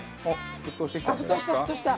沸騰した沸騰した！